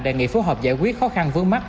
đề nghị phối hợp giải quyết khó khăn vướng mắt